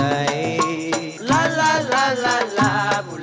ฮรีรายโยแท่เดิมบินแบบสาอิงหาดูหมอ